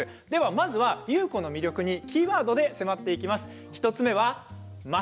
まずは優子の魅力にキーワードで迫っていきます。